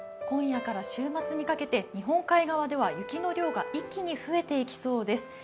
今夜から週末にかけて日本海側では雪の量が一気に増えていきそうです。